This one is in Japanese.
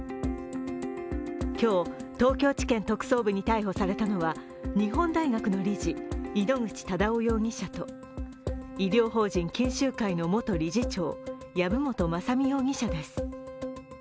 今日、東京地検特捜部に逮捕されたのは日本大学の理事、井ノ口忠男容疑者と医療法人錦秀会の元理事長籔本雅巳容疑者です。